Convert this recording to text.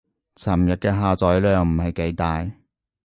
尋日嘅下載量唔係幾大